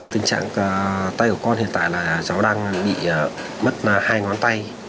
tình trạng tay của con hiện tại là cháu đang bị mất hai ngón tay